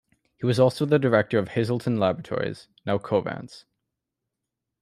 He was also the director of Hazelton Laboratories, now Covance.